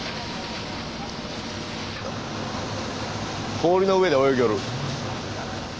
氷の上で泳ぎよる。